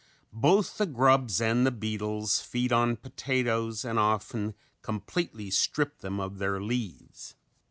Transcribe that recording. Both the grubs and the beetles feed on potatoes and often completely strip them of their leaves.